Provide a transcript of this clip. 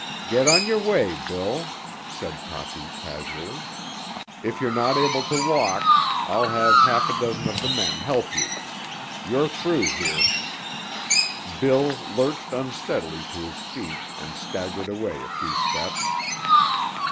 "Get on your way, Bill," said Toppy casually. "If you're not able to walk, I'll have half a dozen of the men help you. You're through here." Bill lurched unsteadily to his feet and staggered away a few steps.